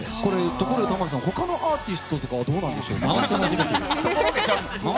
ところでタモリさん他のアーティストはどうなんでしょうね。